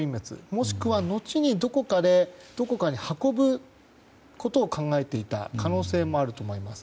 もしくは、後にどこかに運ぶことを考えていた可能性もあると思います。